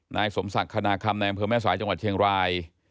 นายสมศักดิ์คณาคำในอำเภอแม่สายจังหวัดเชียงราย